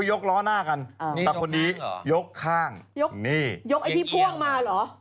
ยกไอ้พี่พ่วงมาเหรอ